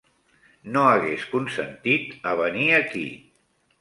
No hagués consentit a venir aquí.